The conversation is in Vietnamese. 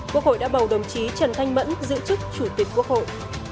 quốc hội đã bầu đồng chí trần thanh mẫn giữ chức chủ tịch quốc hội